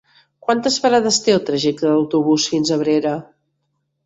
Quantes parades té el trajecte en autobús fins a Abrera?